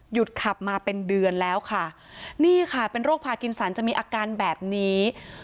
ขับมาเป็นเดือนแล้วค่ะนี่ค่ะเป็นโรคพากินสันจะมีอาการแบบนี้